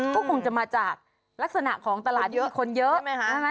ก็คงจะมาจากลักษณะของตลาดที่มีคนเยอะ